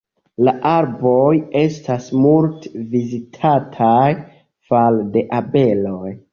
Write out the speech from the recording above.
La arboj estas multe vizitataj fare de abeloj.